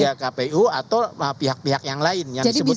ya kpu atau pihak pihak yang lain yang disebutkan